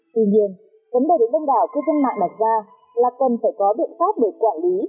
tuy nhiên vấn đề đối với đồng đảo cư dân mạng đặt ra là cần phải có biện pháp đổi quản lý